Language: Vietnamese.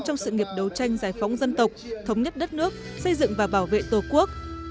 trong sự nghiệp đấu tranh giải phóng dân tộc thống nhất đất nước xây dựng và bảo vệ tổ quốc